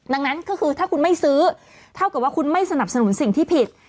ดังนั้นก็คือถ้าคุณไม่ซื้อเท่ากับว่าคุณไม่สนับสนุนสิ่งที่ผิด